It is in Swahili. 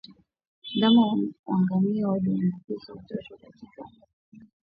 Ndama wa ngamia walioambukizwa watatu kati ya kumi hufa